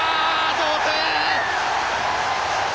同点！